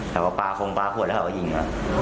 แต่ว่าปลาคงปลาขวดแล้วเขาก็ยิง